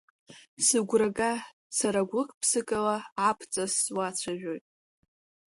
Сыгәра га, сара гәыкԥсыкала абҵас суацәажәоит.